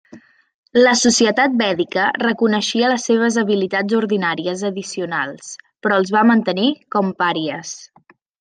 La societat vèdica reconeixia les seves habilitats ordinàries addicionals, però els va mantenir com pàries.